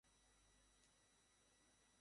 দামিদামি phone থাকে, laptop থাকে।